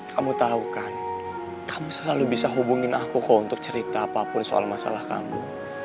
kamu tahu kan kamu selalu bisa hubungin aku kok untuk cerita apapun soal masalah kamu